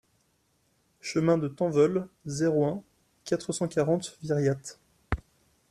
Chemin de Tanvol, zéro un, quatre cent quarante Viriat